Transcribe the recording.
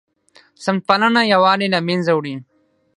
سمت پالنه یووالی له منځه وړي